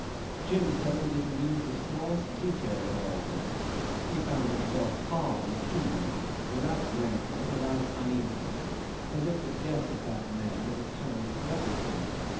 Jim says he didn't lose the smallest detail of all this. He found himself calm, appeased, without rancour, without uneasiness, as if the death of that man had atoned for everything.